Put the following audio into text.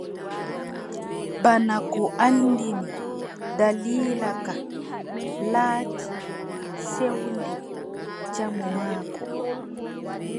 Bana ko anndini, daliila ka, laati sewnde jamu maako.